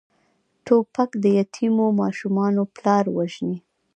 توپک د یتیمو ماشومانو پلار وژني.